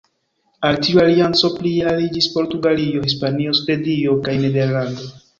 Al tiu alianco plie aliĝis Portugalio, Hispanio, Svedio kaj Nederlando.